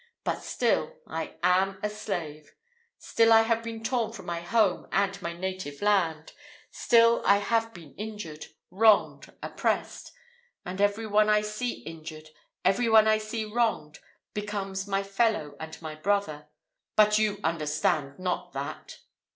But still I am a slave still I have been torn from my home and my native land still I have been injured wronged oppressed; and every one I see injured, every one I see wronged, becomes my fellow and my brother. But you understand not that!"